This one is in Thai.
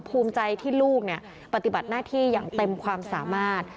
ภูมิใจที่ลูกปฏิบัติหน้าที่อย่างเต็มความสามารถ